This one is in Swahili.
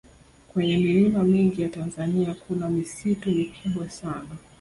kwenye milima mingi ya tanzania kuna misitu mikubwa sana